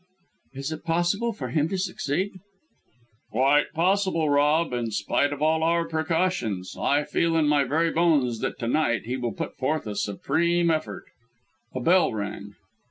"Is it possible for him to succeed?" "Quite possible, Rob, in spite of all our precautions. I feel in my very bones that to night he will put forth a supreme effort." A bell rang.